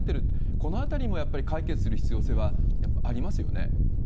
このあたりもやっぱり解決する必要性はやっぱりありますよね？